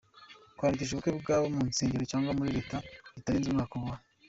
kwandikisha ubukwe bwabo mu nsengero cyangwa muri Leta bitarenze umwaka wa.